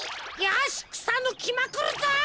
よしくさぬきまくるぞ！